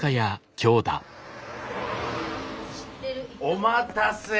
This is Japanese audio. お待たせ。